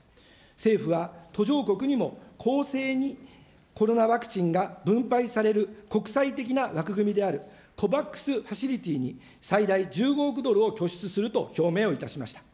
政府は途上国にも公正にコロナワクチンが分配される国際的な枠組みであるＣＯＶＡＸファシリティーに最大１５億ドルを拠出すると表明をいたしました。